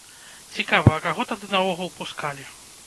Цікава, а каго тады наогул пускалі?